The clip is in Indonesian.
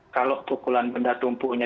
kalau pukulan benda tumpulnya